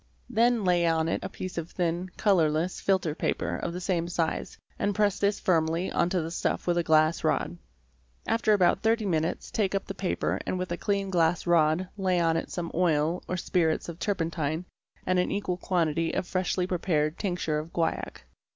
Then lay on it a piece of thin, colourless, filter paper of the same size, and press this firmly on to the stuff with a glass rod. After about 30 minutes take up the paper and with a clean glass rod lay on it some oil or spirits of turpentine and an equal quantity of freshly prepared tincture of guaiac.